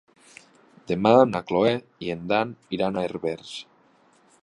Demà na Cloè i en Dan iran a Herbers.